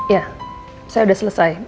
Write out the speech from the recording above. ya saya sudah selesai